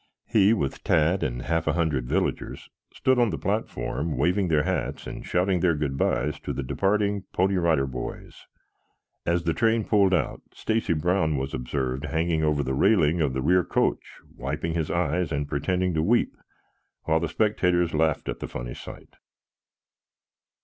He, with Tad and half a hundred villagers, stood on the platform waving their hats and shouting their good byes to the departing Pony Rider Boys. As the train pulled out, Stacy Brown was observed hanging over the railing of the rear coach wiping his eyes and pretending to weep, while the spectators laughed at the funny sight.